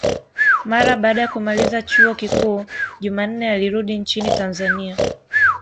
Mara baada ya kumaliza chuo kikuu, Jumanne alirudi nchini Tanzania.